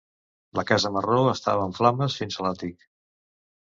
La casa marró estava en flames fins a l'àtic.